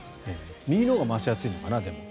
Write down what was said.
右のほうが回しやすいのかな？